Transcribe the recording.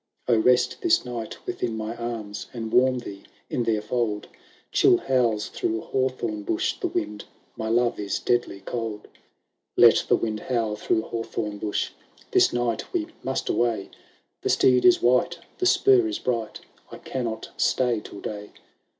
XXX " O rest this night within my arms, And warm thee in their fold ! Chill bowls through hawthorn bush the wind :— My love is deadly cold." WILLIAM AND HELEN. 713 XXXI "Let the wind howl through hawthorn hush ! This night we must away ; The steed is wight, the spur is bright ; I cannot stay till day.